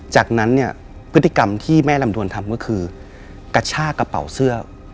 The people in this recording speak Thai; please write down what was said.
จากนั้นเนี่ยพฤติกรรมที่แม่ลำดวนทำก็คือกระชากระเป๋าเสื้อ